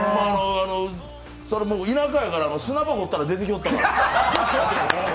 田舎やから、砂場掘ったら出てきよったから。